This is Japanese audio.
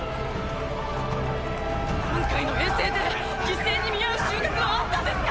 今回の遠征で犠牲に見合う収穫はあったんですか